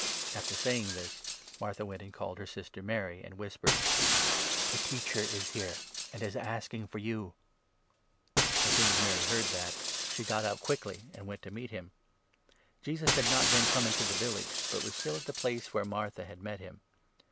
After saying this, Martha went and called her sister Mary, 28 and whispered :" The Teacher is here, and is asking for you." As soon as Mary heard that, she got up quickly, and went to 29 meet him. Jesus had not then come into the village, but was 30 still at the place where Martha nad met him.